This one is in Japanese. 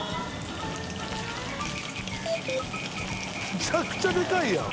むちゃくちゃでかいやん。